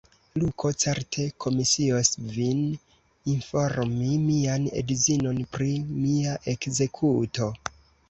Luko certe komisios vin informi mian edzinon pri mia ekzekuto.